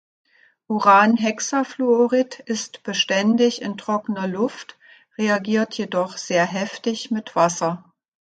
Uranhexafluorid ist beständig in trockener Luft, reagiert jedoch sehr heftig mit Wasser.